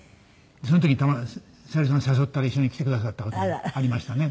その時に小百合さんを誘ったら一緒に来てくださった事もありましたね。